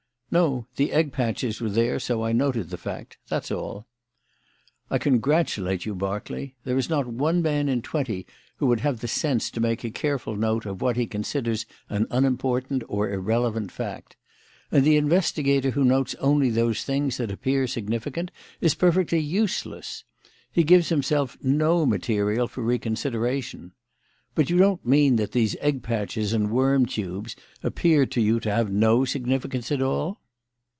"No. The egg patches were there, so I noted the fact. That's all." "I congratulate you, Berkeley. There is not one man in twenty who would have the sense to make a careful note of what he considers an unimportant or irrelevant fact; and the investigator who notes only those things that appear significant is perfectly useless. He gives himself no material for reconsideration. But you don't mean that these egg patches and worm tubes appeared to you to have no significance at all?"